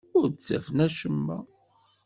Ur d-ttafen acemma.